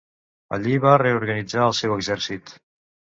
Allí va reorganitzar al seu exèrcit.